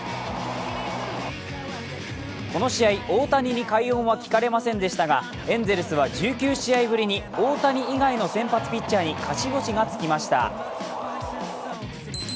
この試合大谷に快音は聞かれませんでしたがエンゼルスは１９試合ぶりに大谷以外の先発ピッチャーに勝ち星がつきました。